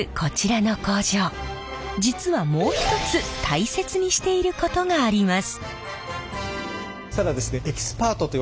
実はもう一つ大切にしていることがあります。